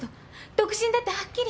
独身だってはっきり。